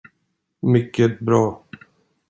Mycket bra!